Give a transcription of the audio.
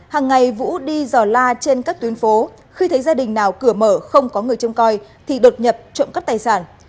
hằng ngày vũ đi dò la trên các tuyến phố khi thấy gia đình nào cửa mở không có người châm coi thì đột nhập trộm các tài sản